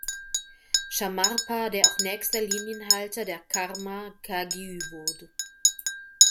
Shamarpa, der auch nächster Linienhalter der Karma-Kagyü wurde.